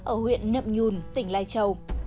ở huyện nậm nhun tỉnh lai châu